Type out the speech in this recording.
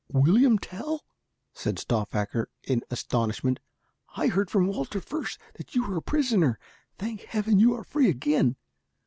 "William Tell!" said Stauffacher in astonishment. "I heard from Walter Fürst that you were a prisoner. Thank Heaven that you are free again."